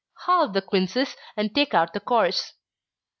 _ Halve the quinces, and take out the cores.